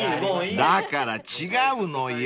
［だから違うのよ］